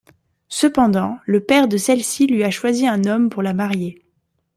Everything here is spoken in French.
Cependant, le père de celle-ci lui a choisi un homme pour la marier.